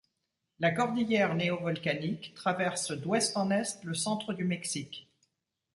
La cordillère néovolcanique traverse d'ouest en est le centre du Mexique.